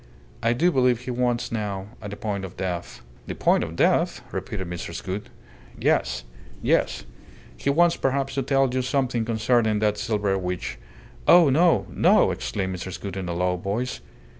I do believe he wants now, at the point of death " "The point of death?" repeated Mrs. Gould. "Yes. Yes. ... He wants perhaps to tell you something concerning that silver which " "Oh, no! No!" exclaimed Mrs. Gould, in a low voice.